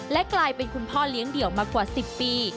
และกลายเป็นคุณพ่อเลี้ยงเดี่ยวมากว่า๑๐ปี